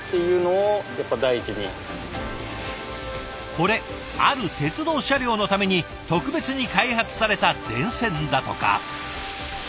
これある鉄道車両のために特別に開発された電線だとか。